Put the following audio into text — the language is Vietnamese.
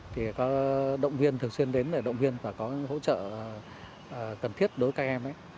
thì có động viên thường xuyên đến để động viên và có hỗ trợ cần thiết đối với các em